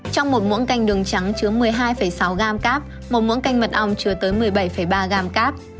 trong một canh đường trắng chứa một mươi hai sáu gram cáp một mỡ canh mật ong chứa tới một mươi bảy ba gram cáp